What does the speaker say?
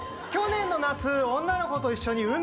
去年の夏女の子と一緒に